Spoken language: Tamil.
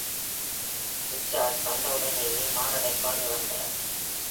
Richards வந்த உடனேயே மாரடைப்பால் இறந்தார்.